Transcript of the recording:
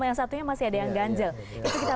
yang satunya masih ada yang ganjil itu kita